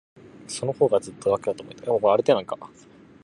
そのほうが、ずっと楽だと思えたから。